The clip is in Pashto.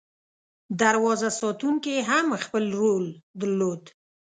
دروازه ساتونکي هم خپل رول درلود.